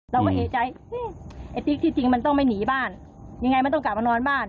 เราก็เอกใจไอ้ติ๊กที่จริงมันต้องไม่หนีบ้านยังไงไม่ต้องกลับมานอนบ้าน